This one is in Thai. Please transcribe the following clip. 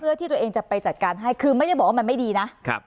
เพื่อที่ตัวเองจะไปจัดการให้คือไม่ได้บอกว่ามันไม่ดีนะครับ